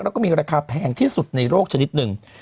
แล้วก็มีราคาแพงที่สุดในโลกชนิดหนึ่ง